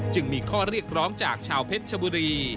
จึงมีข้อเรียกร้องจากชาวเพชรชบุรี